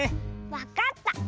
わかった！